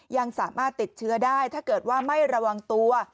ยังสามารถติดเชื้อได้ถ้าเกิดว่าไม่ระวังตัว